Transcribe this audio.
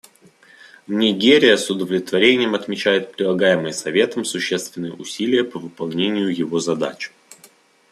Нигерия с удовлетворением отмечает прилагаемые Советом существенные усилия по выполнению его задач.